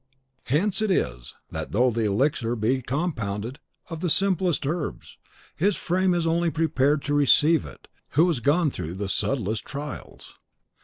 Hence it is, that though the elixir be compounded of the simplest herbs, his frame only is prepared to receive it who has gone through the subtlest trials.